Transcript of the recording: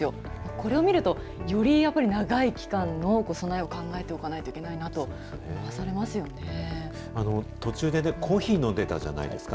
これを見ると、よりやっぱり長い期間の備えを考えておかないといけないなと思わ途中でね、コーヒー飲んでたじゃないですか。